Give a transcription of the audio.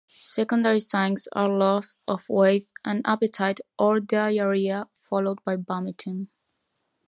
Secondary signs are loss of weight and appetite or diarrhea followed by vomiting.